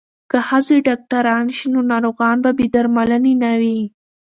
که ښځې ډاکټرانې شي نو ناروغان به بې درملنې نه وي.